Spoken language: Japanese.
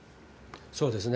そうですね。